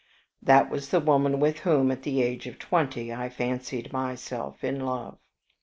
That was the woman with whom, at the age of twenty, I fancied myself in love.